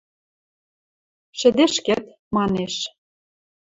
Шӹдешкет? – манеш.